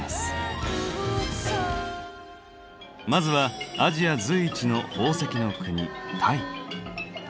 まずはアジア随一の宝石の国タイ。